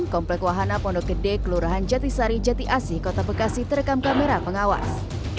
komplek wahana pondok gede kelurahan jatisari jati asi kota bekasi terekam kamera pengawas